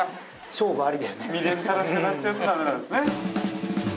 未練たらしくなっちゃうとダメなんですね。